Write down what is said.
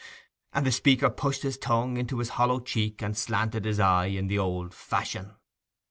And the speaker pushed his tongue into his hollow cheek and slanted his eye in the old fashion.